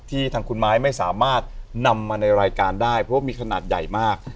ทางคุณไม้ไม่สามารถนำมาในรายการได้เพราะว่ามีขนาดใหญ่มาก